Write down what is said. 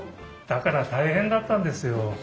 だから大変だったんですよ。